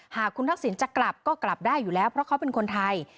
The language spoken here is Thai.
หากคุณทักษิณจะกลับก็กลับได้อยู่แล้วเพราะเขาเป็นคนไทย